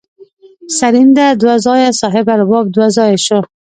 سرینده دوه ځایه صاحبه رباب دوه ځایه شو.